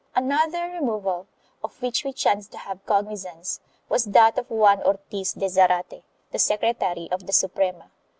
Another removal, of which we chance to have cognizance, was that of Juan Ortiz de Zarate, the secretary of the Suprema.